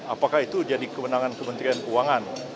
apakah itu jadi kewenangan kementerian keuangan